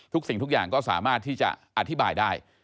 สิ่งทุกอย่างก็สามารถที่จะอธิบายได้